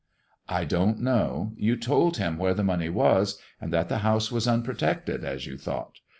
"I don't know. You told him where the money was, Gknd iMt the house was unprotected, as you thought.